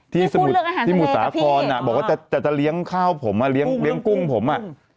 ที่สมุดสาครบอกว่าจะเลี้ยงข้าวผมเลี้ยงกุ้งผม